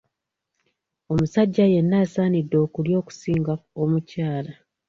Omusajja yenna asaanidde okulya okusinga omukyala.